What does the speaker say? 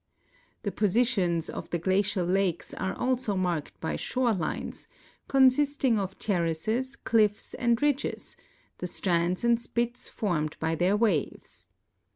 The positions of the glacial lakes are also markt by shore lines, consisting of terraces, cliffs, and ridges, the strands and spits formed by their waves.